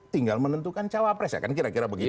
tinggal menentukan cawapres ya kan kira kira begitu